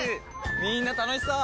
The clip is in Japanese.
みんな楽しそう！